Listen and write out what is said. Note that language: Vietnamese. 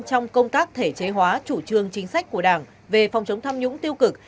trong công tác thể chế hóa chủ trương chính sách của đảng về phòng chống tham nhũng tiêu cực